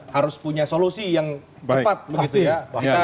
harus punya solusi yang cepat begitu ya